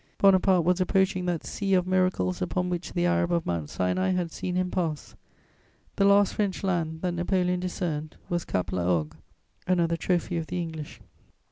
Bonaparte was approaching that sea of miracles upon which the Arab of Mount Sinai had seen him pass. The last French land that Napoleon discerned was Cape la Hogue: another trophy of the English.